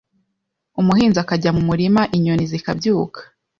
umuhinzi akajya mu murima, inyoni zikabyuka.